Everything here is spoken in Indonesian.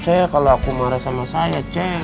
saya kalau aku marah sama saya cek